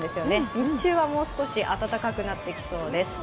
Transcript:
日中はもう少し暖かくなってきそうです。